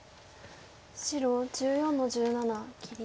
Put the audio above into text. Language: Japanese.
白１４の十七切り。